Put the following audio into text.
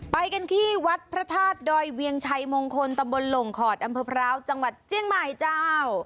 ไปกันที่วัดพระธาตุดอยเวียงชัยมงคลตำบลหลงขอดอำเภอพร้าวจังหวัดเจียงใหม่เจ้า